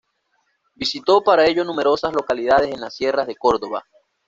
Visitó para ello numerosas localidades en las sierras de Córdoba.